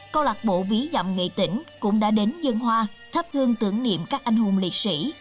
câu lạc bộ ví dặm nghệ tỉnh cũng đã đến dân hoa thắp hương tưởng niệm các anh hùng liệt sĩ